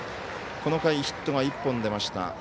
この回、ヒットが１本出ました。